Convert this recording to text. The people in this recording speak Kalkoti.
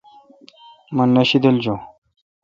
مہ نہ شیدل جوُن۔